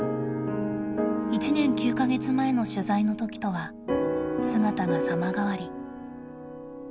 １年９か月前の取材のときとは姿が様変わり。